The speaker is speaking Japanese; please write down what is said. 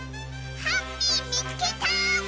ハッピーみつけた！